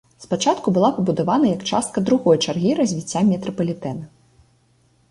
Спачатку была пабудавана як частка другой чаргі развіцця метрапалітэна.